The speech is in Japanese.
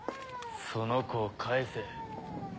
その子を返せ。